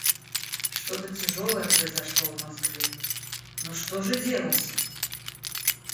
Что-то тяжелое произошло в Москве... Ну что же делать?..